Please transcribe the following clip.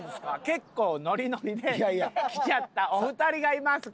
結構ノリノリで来ちゃったお二人がいます。